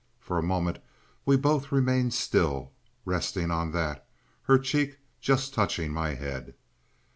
For a moment we both remained still, resting on that, her cheek just touching my head.